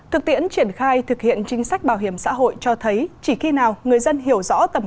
thực tiễn triển khai thực hiện chính sách bảo hiểm xã hội cho thấy chỉ khi nào người dân hiểu rõ tầm